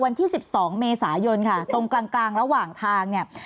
วันที่๑๒เมษายนค่ะตรงกลางระหว่างทางเนี่ย